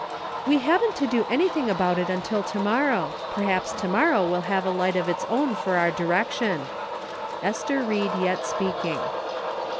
We haven't to do anything about it until to morrow; perhaps to morrow will have a light of its own for our direction. Ester Ried Yet Speaking.